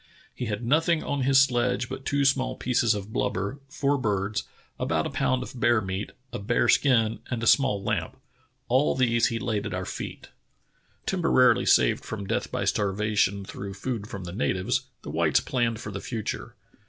"lie had nothing on his sledge but two small pieces of blubber, four birds, about a pound of bear meat, a bear skin, and a small lamp. All these he laid at our feet." Temporarily saved from death by starvation through food from the natives, the whites planned for the future.